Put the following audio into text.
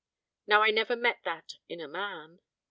Now I never met that in a man.